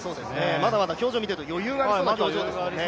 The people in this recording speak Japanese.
まだまだ表情を見ていると余裕がありそうですね。